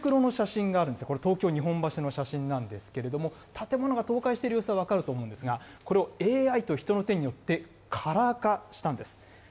ここにモノクロの写真があるんです、これ、東京・日本橋の写真なんですけれども、建物が倒壊している様子が分かると思うんですが、これをＡＩと人の手によってカラー化したんです。